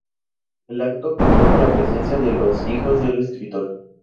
El acto contó con la presencia de los hijos del escritor.